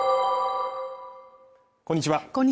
こんにちは